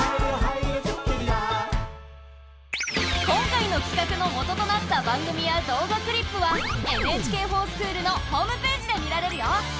今回のきかくの元となった番組や動画クリップは「ＮＨＫｆｏｒＳｃｈｏｏｌ」のホームページで見られるよ。